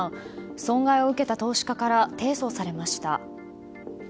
損害を受けた投資家から提訴されました。